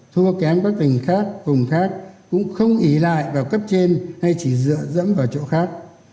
thua kém các tình khác cùng khác cũng không ý lại vào cấp trên hay chỉ dựa dẫm vào chỗ khác